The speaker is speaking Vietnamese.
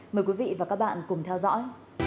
mời quý vị và các bạn cùng theo dõi